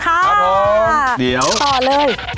ครับผมเดี๋ยวต่อเลย